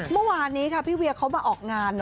เมื่อวานนี้ค่ะพี่เวียเขามาออกงาน